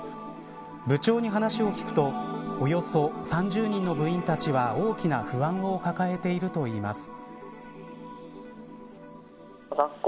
部長に話を聞くとおよそ３０人の部員たちは大きな不安を抱えているといいます。